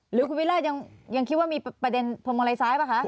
หรือคุณวิราชยังคิดว่ามีประเด็นพวงมาลัยซ้ายป่ะคะ